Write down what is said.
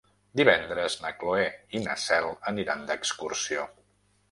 Divendres na Cloè i na Cel aniran d'excursió.